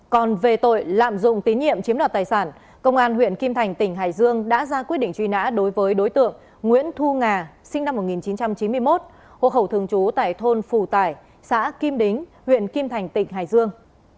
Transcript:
còn về tội lạm dụng tín nhiệm chiếm đoạt tài sản công an huyện kim thành tỉnh hải dương đã ra quyết định truy nã đối với đối tượng nguyễn thu ngà sinh năm một nghìn chín trăm chín mươi một hộ khẩu thường trú tại thôn phủ tải xã kim đính huyện kim thành tỉnh hải dương